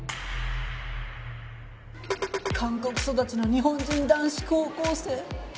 韓国育ちの日本人男子高校生。